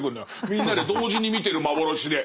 みんなで同時に見てる幻で。